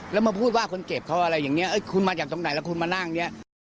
แล้วมาพูดว่าคนเจ็บเขาอะไรอย่างนี้คุณมาจากตรงไหนแล้วคุณมานั่งเนี่ย